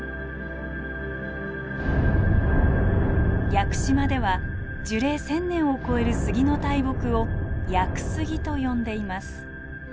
屋久島では樹齢１，０００年を超える杉の大木を「屋久杉」と呼んでいます。